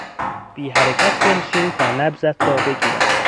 بی حرکت بنشین تا نبضت را بگیرم.